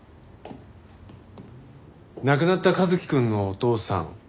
亡くなった一輝くんのお父さん